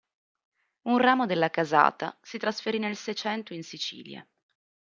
Un ramo della casata si trasferì nel Seicento in Sicilia.